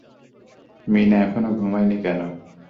মিনা এখনো ঘুমায় নি কেন?